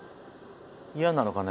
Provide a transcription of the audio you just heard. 嫌なのかな